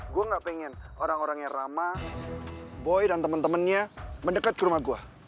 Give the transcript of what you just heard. gue gak pengen orang orang yang ramah boy dan temen temennya mendekat ke rumah gue